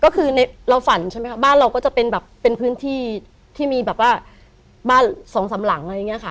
ก็คือเราฝันบ้านเราก็จะเป็นพื้นที่ที่มีบ้านสองสามหลัง